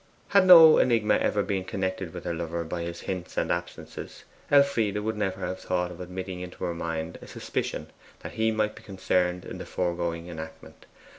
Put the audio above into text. Had no enigma ever been connected with her lover by his hints and absences, Elfride would never have thought of admitting into her mind a suspicion that he might be concerned in the foregoing enactment.